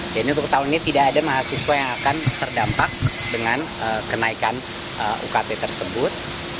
dan untuk tahun ini tidak ada mahasiswa yang akan terdampak dengan kenaikan ukt tersebut